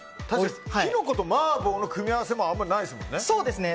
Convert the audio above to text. キノコと麻婆の組み合わせもあまりないですもんね。